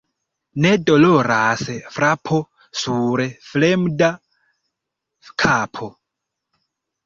Ne doloras frapo sur fremda kapo.